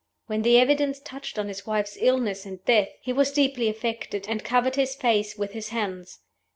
When the evidence touched on his wife's illness and death, he was deeply affected, and covered his face with his hands.